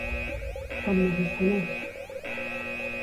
Com més es coneix?